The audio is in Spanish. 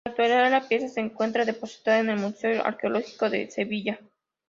En la actualidad, la pieza se encuentra depositada en el Museo Arqueológico de Sevilla.